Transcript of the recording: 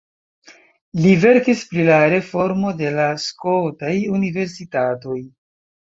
Li verkis pri la reformo de la skotaj universitatoj.